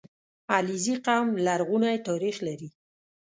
• علیزي قوم لرغونی تاریخ لري.